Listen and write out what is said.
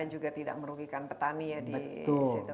lalu kita tidak merugikan petani ya di situ